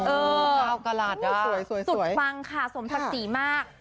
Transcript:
เออสุดฟังค่ะสมทัศน์สีมาก